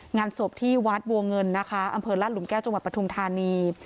งานศพที่วัดบัวเงินนะคะอำเภอลาดหลุมแก้วจังหวัดปทุมธานี